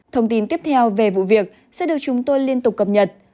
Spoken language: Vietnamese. thông tin tiếp theo về vụ việc sẽ được chúng tôi liên tục cập nhật